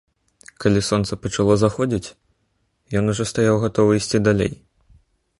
Калі сонца пачало заходзіць, ён ужо стаяў гатовы ісці далей.